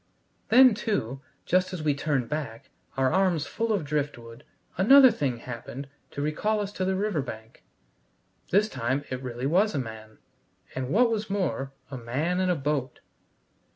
Then, too, just as we turned back, our arms full of driftwood, another thing happened to recall us to the river bank. This time it really was a man, and what was more, a man in a boat.